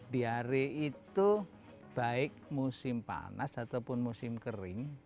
diare itu baik musim panas ataupun musim kering